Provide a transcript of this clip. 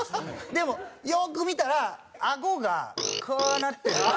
でもよく見たらあごがこうなってる。